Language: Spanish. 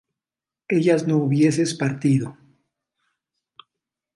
¿ellas no hubieses partido?